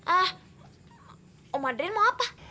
ah om madrin mau apa